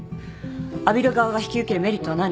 阿比留側が引き受けるメリットは何？